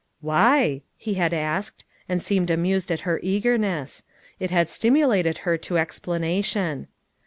"Why?" he had asked, and seemed amused at her eagerness. It had stimulated her to ex planation.